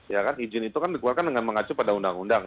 ya kan izin itu kan dikeluarkan dengan mengacu pada undang undang